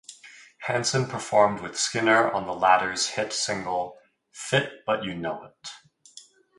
Hanson performed with Skinner on the latter's hit single, "Fit But You Know It".